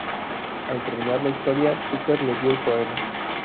Al terminar la historia, Tucker le dio el poema.